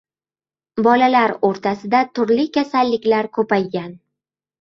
Bolalar oʻrtasida turli kasalliklar koʻpaygan.